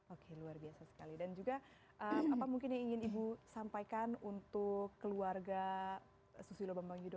oke luar biasa sekali dan juga apa mungkin yang ingin ibu sampaikan untuk keluarga susilo bambang yudho